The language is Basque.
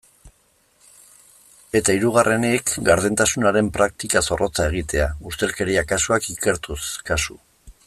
Eta hirugarrenik, gardentasunaren praktika zorrotza egitea, ustelkeria kasuak ikertuz kasu.